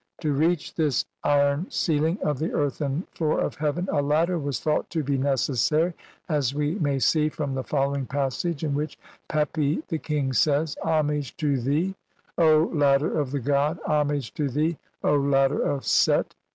To reach this iron ceiling of the earth and floor of heaven a ladder was thought to be necessary, as we may see from the following pas sage in which Pepi the king says, "Homage to thee, "O ladder 1 of the god, homage to thee, O ladder of Set.